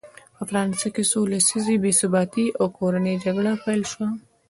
په فرانسه کې څو لسیزې بې ثباتي او کورنۍ جګړه پیل شوه.